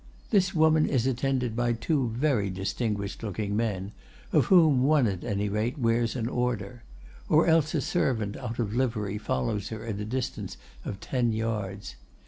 This woman is attended by two very distinguished looking men, of whom one, at any rate, wears an order; or else a servant out of livery follows her at a distance of ten yards.